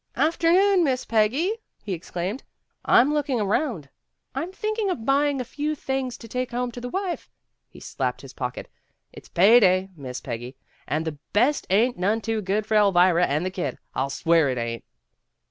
"Afternoon, Miss Peggy," he exclaimed. "I'm looking around. I'm thinking of buying a few little things to take home to the wife." He slapped his pocket. "It's pay day, Miss Peggy, and the best ain't none too good for Elvira and the kid, I'll swear it ain't."